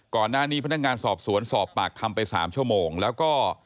ก่อนหน้านี้พนักงานสอบสวนสอบปากทำไป๓ชั่วโมงแล้วก็